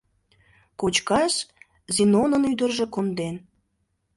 Кочкаш Зинонын ӱдыржӧ конден.